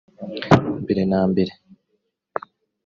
Mbere na mbere